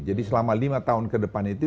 jadi selama lima tahun ke depan itu